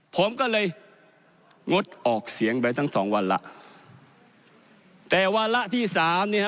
ผมก็เลยงดออกเสียงไปทั้งสองวันแล้วแต่วาระที่สามเนี่ย